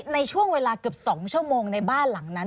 ในช่วงเวลาเกือบ๒ชั่วโมงในบ้านหลังนั้น